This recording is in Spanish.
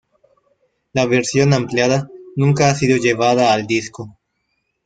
La versión ampliada nunca ha sido llevada al disco.